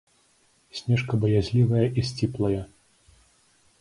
Снежка баязлівая і сціплая.